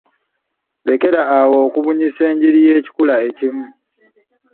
Lekera awo okubunyisa enjiri y'ekikula ekimu.